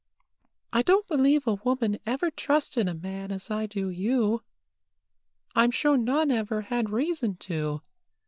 I don't believe a woman ever trusted a man as I do you. I'm sure none ever had reason to.